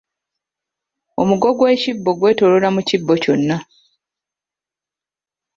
Omugo gw’ekibbo gwetooloola mu kibbo kyonna.